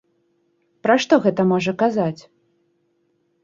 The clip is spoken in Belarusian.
Пра што гэта можа казаць?